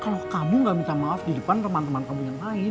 kalau kamu gak minta maaf di depan teman teman kamu yang lain